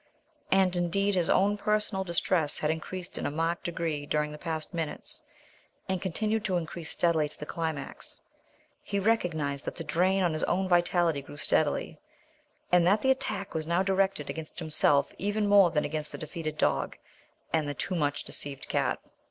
And, indeed, his own personal distress had increased in a marked degree during the past minutes, and continued to increase steadily to the climax. He recognized that the drain on his own vitality grew steadily, and that the attack was now directed against himself even more than against the defeated dog, and the too much deceived cat.